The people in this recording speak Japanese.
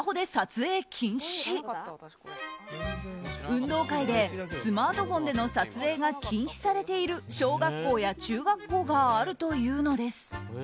運動会でスマートフォンでの撮影が禁止されている小学校や中学校があるというのです。